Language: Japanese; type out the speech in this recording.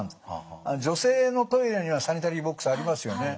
女性のトイレにはサニタリーボックスありますよね。